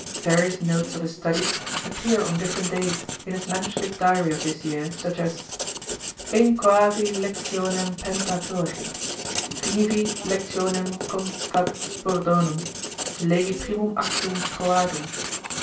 Various notes of his studies appear on different days, in his manuscript diary of this year, such as, 'Inchoavi lectionem Pentateuchi Finivi lectionem Conf. Fab. Burdonum. Legi primum actum Troadum.